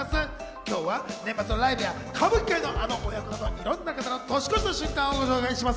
今日は年末のライブや歌舞伎界のあの親子など、いろんな方の年越しの瞬間をご紹介します。